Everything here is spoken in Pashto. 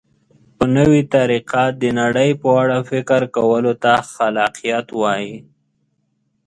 په نوې طریقه د نړۍ په اړه فکر کولو ته خلاقیت وایي.